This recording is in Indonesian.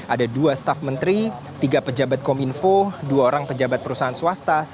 ada dua staf menteri tiga pejabat kominfo dua orang pejabat perusahaan swasta